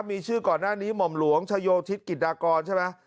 มีชื่อก่อนหน้านี้หม่อมหลวงชโยธิศกิจดากรใช่ไหม